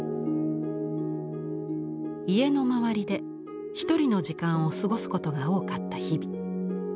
家の周りでひとりの時間を過ごすことが多かった日々。